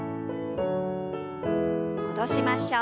戻しましょう。